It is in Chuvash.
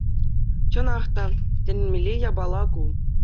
Чӑнах та, тӗлӗнмелле япала ку.